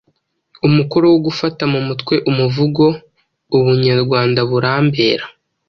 Umukoro wo gufata mu mutwe umuvugo “Ubunyarwanda burambera”